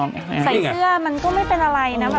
ใส่เสื้อมันก็ไม่เป็นอะไรนะ